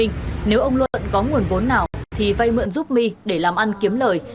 nếu ông luận có nguồn vốn nào thì vây mượn giúp my để làm ăn kiếm lời